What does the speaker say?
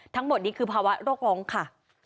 ทั้งหมดนี้คือภาวะโรคร้องค่ะ